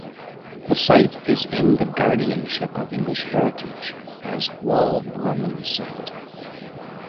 The site is in the guardianship of English Heritage as Wall Roman Site.